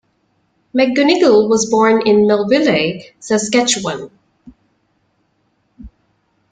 McGonigal was born in Melville, Saskatchewan.